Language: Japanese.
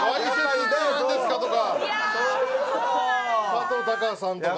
「加藤鷹さんとか」